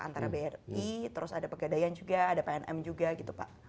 antara bri terus ada pegadaian juga ada pnm juga gitu pak